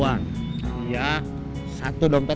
kang boleh ketemu